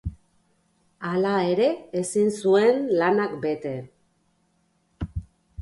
Hala ere ezin zuen lanak bete.